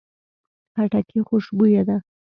خټکی خوشبویه ده.